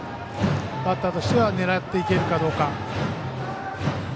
バッターとしては狙っていけるかどうか。